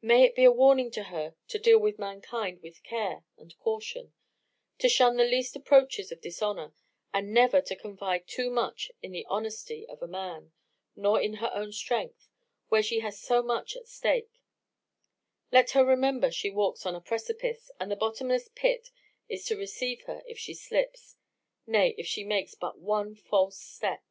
May it be a warning to her to deal with mankind with care and caution; to shun the least approaches of dishonour, and never to confide too much in the honesty of a man, nor in her own strength, where she has so much at stake; let her remember she walks on a precipice, and the bottomless pit is to receive her if she slips; nay, if she makes but one false step.